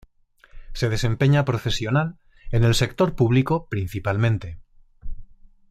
Se desempeña profesional en el sector público principalmente.